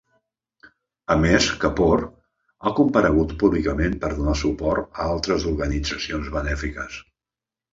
A més, Kapoor ha comparegut públicament per donar suport a altres organitzacions benèfiques.